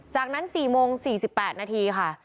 จากนั้น๔โมง๔๘นาทีค่ะ